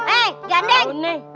hei jangan deh